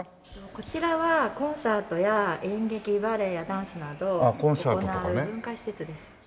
こちらはコンサートや演劇バレエやダンスなどを行う文化施設です。